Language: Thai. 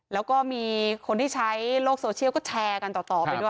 แล้วก็มีคนที่ใช้โลกโซเชียลก็แชร์กันต่อไปด้วย